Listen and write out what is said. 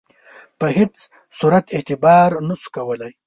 په هیڅ صورت اعتبار نه سو کولای.